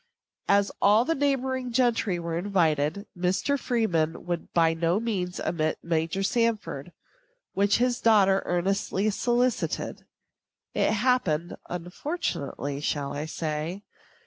As all the neighboring gentry were invited, Mr. Freeman would by no means omit Major Sanford, which his daughter earnestly solicited. It happened (unfortunately, shall I say?)